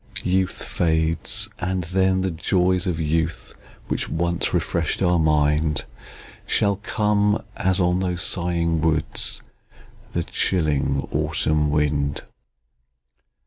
Youth fades; and then, the joys of youth, Which once refresh'd our mind, Shall come, as, on those sighing woods, The chilling autumn wind.